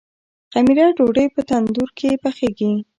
خمیره ډوډۍ په تندور کې پخیږي.